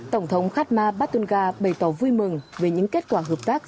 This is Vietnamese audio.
tỏ vui mừng về những kết quả hợp tác